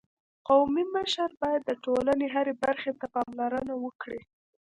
قومي مشر باید د ټولني هري برخي ته پاملرنه وکړي.